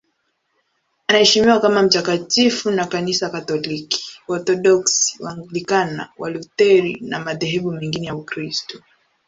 Anaheshimiwa kama mtakatifu na Kanisa Katoliki, Waorthodoksi, Waanglikana, Walutheri na madhehebu mengine ya Ukristo.